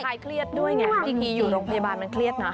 เครียดด้วยไงบางทีอยู่โรงพยาบาลมันเครียดนะ